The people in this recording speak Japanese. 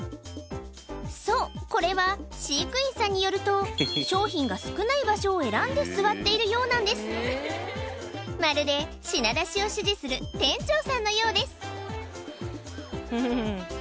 そうこれは飼育員さんによると商品が少ない場所を選んで座っているようなんですまるで品出しを指示する店長さんのようです